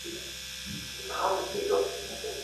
低地森林的砍伐及过度猎杀造成它们灭绝的命运。